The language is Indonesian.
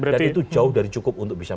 dan itu jauh dari cukup untuk bisa